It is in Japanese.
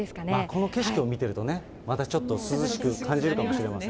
この景色を見てるとね、またちょっと涼しく感じるかもしれません。